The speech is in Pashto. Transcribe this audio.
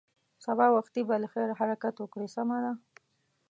سبا وختي به له خیره حرکت وکړې، سمه ده.